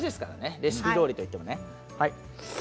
レシピどおりと言ってもね。